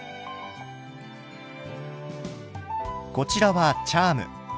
こちらはチャーム。